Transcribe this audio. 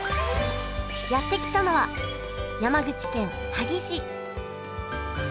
やって来たのは山口県萩市！